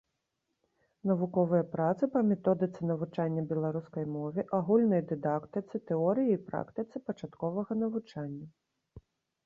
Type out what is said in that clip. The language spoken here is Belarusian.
Навуковыя працы па методыцы навучання беларускай мове, агульнай дыдактыцы, тэорыі і практыцы пачатковага навучання.